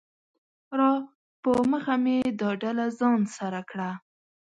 راپه مخه مې دا ډله ځان سره کړه